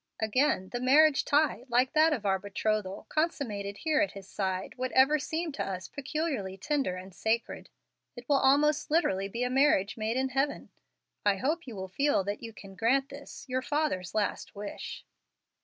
Again, the marriage tie, like that of our betrothal, consummated here at his side, would ever seem to us peculiarly tender and sacred. It will almost literally be a marriage made in heaven. I hope you will feel that you can grant this, your father's last wish."